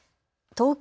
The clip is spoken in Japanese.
東京